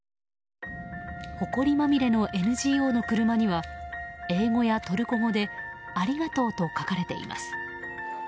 ほこりまみれのＮＧＯの車には英語やトルコ語でありがとうと書かれています。